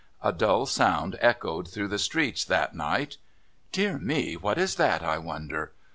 A dull sound echoed through the streets that night. "Dear me! what is that, I wonder?"